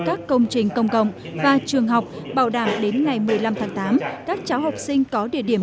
các công trình công cộng và trường học bảo đảm đến ngày một mươi năm tháng tám các cháu học sinh có địa điểm